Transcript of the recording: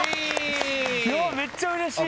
めっちゃうれしい。